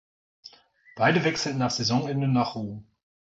Beide wechselten nach Saisonende nach Rom.